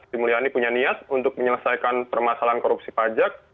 sri mulyani punya niat untuk menyelesaikan permasalahan korupsi pajak